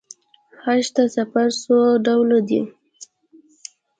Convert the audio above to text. حج ته سفر څو ډوله دی.